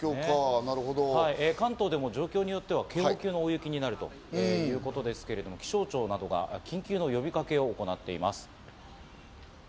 関東でも状況によっては警報級の大雪になるということですけれども、気象庁などが緊急の呼びかけを行っています。